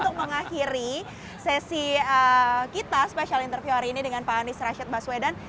untuk mengakhiri sesi kita spesial interview hari ini dengan pak anies rashid baswedan